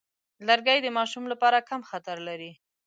لرګی د ماشوم لپاره کم خطر لري.